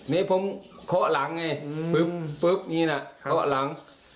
นี่ผมเคาะหลังไงปึ๊บนี่นะเคาะหลัง